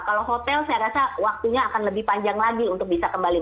kalau hotel saya rasa waktunya akan lebih panjang lagi untuk bisa kembali